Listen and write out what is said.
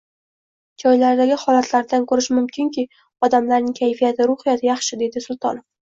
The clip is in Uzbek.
“Joylardagi holatlardan ko‘rish mumkinki, odamlarning kayfiyati, ruhiyati yaxshi”, — deydi Sultonov